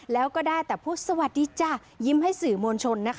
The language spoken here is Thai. แล้วก็ได้แต่พูดสวัสดีจ้ะยิ้มให้สื่อมวลชนนะคะ